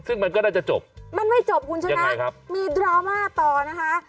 ซึ่งมันก็ได้จะจบมันไม่จบคุณชนะยังไงครับมีดราม่าต่อนะคะ